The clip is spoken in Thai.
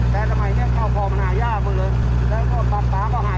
เต็มตามสิ่มชุดตอนก่อนติดดอาปานิกเนยสตมีลัดต่ีชุ่มออกไปได้